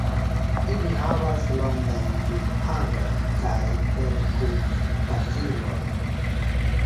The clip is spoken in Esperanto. Ili havas longajn lipharojn kaj perkutpafilojn.